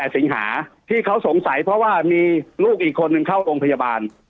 สิงหาที่เขาสงสัยเพราะว่ามีลูกอีกคนนึงเข้าโรงพยาบาล